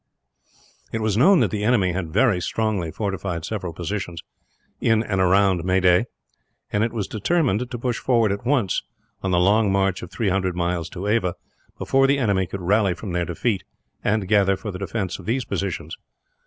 It was known that the enemy had very strongly fortified several positions, in and around Meaday; and it was determined to push forward, at once, on the long march of three hundred miles to Ava, before the enemy could rally from their defeat, and gather for the defence of these positions.